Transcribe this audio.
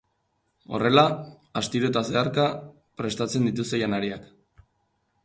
Horrela, astiro eta zeharka prestatzen dituzte janariak.